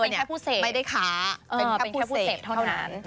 แม้ว่าแค่ผู้เสพเขาเป็นผู้เสพเข้าหนัน